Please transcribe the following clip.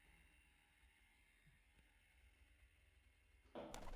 کانٹے سے آلووں کو پھینٹو